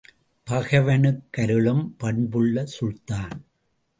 பகைவனுக்கருளும் பண்புள்ள சுல்தான்!